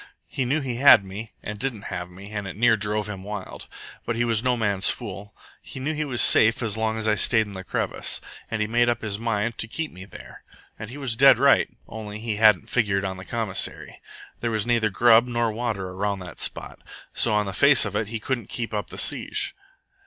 He knew he had me and didn't have me, and it near drove him wild. But he was no man's fool. He knew he was safe as long as I stayed in the crevice, and he made up his mind to keep me there. And he was dead right, only he hadn't figured on the commissary. There was neither grub nor water around that spot, so on the face of it he couldn't keep up the siege.